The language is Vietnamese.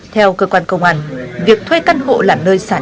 theo cơ quan công an việc thuê căn hộ là nơi xung quanh